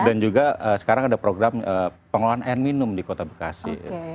dan juga sekarang ada program pengelolaan air minum di kota bekasi